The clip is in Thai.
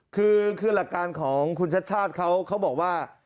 คือหลักการของคุณชัดชาติเขาบอกว่า